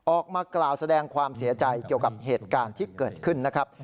ออกมากล่าวแสดงความเสียใจเกี่ยวกับเหตุการณ์ที่เกิดขึ้นนะครับ